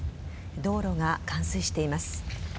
道路が冠水しています。